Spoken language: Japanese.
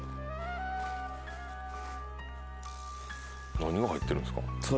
何が入ってるんですか？